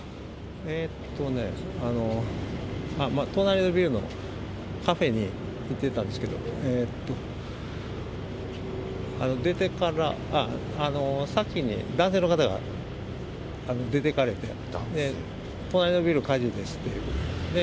えっとね、隣のビルのカフェに行ってたんですけれども、出てから、先に男性の方が出てかれて、隣のビル火事ですっていう。